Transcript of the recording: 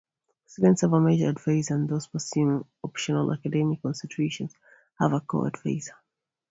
Students have a major advisor, and those pursuing optional academic concentrations have a co-advisor.